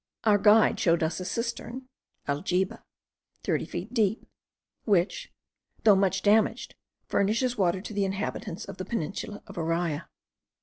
Our guide showed us a cistern (aljibe) thirty feet deep, which, though much damaged, furnishes water to the inhabitants of the peninsula of Araya.